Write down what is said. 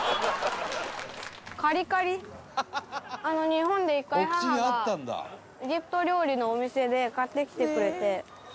日本で一回母がエジプト料理のお店で買ってきてくれて。